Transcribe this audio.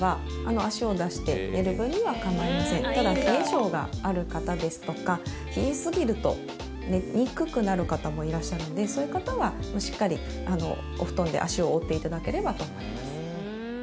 ただ冷え症がある方ですとか冷えすぎると寝にくくなる方もいらっしゃるのでそういう方はしっかりお布団で足を覆って頂ければと思います。